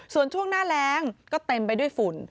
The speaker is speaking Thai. ส่วนช่วงหน้าแรงก็เต็มไปด้วยฝุ่น